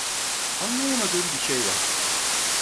Anlayamadığım bir şey var.